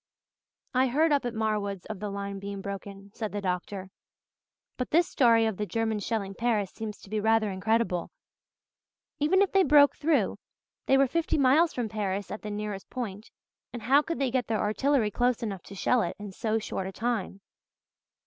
"I heard up at Marwood's of the line being broken," said the doctor, "but this story of the Germans shelling Paris seems to be rather incredible. Even if they broke through they were fifty miles from Paris at the nearest point and how could they get their artillery close enough to shell it in so short a time?